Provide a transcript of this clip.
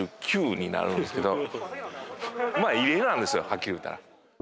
はっきり言うたら。